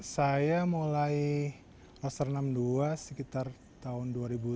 saya mulai roster enam dua sekitar tahun dua ribu sebelas